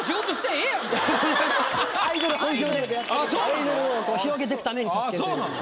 アイドルを広げていくために宅建という。